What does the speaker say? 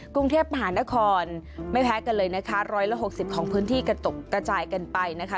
กรุงเทพภานะครไม่แพ้กันเลยนะคะร้อยละหกสิบของพื้นที่กระตุกกระจายกันไปนะคะ